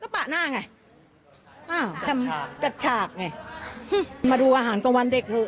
ปะหน้าไงอ้าวทำจัดฉากไงมาดูอาหารกลางวันเด็กเถอ